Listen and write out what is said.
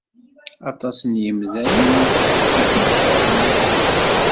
Aṭas n yemdanen i kem-ikeṛhen yakan.